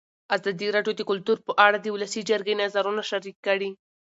ازادي راډیو د کلتور په اړه د ولسي جرګې نظرونه شریک کړي.